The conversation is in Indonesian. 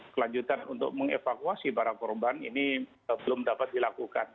kelanjutan untuk mengevakuasi para korban ini belum dapat dilakukan